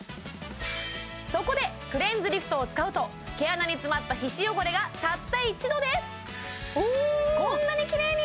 そこでクレンズリフトを使うと毛穴に詰まった皮脂汚れがたった一度でこんなにきれいに！